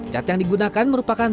cat yang digunakan merupakan